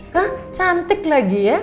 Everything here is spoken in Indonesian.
hah cantik lagi ya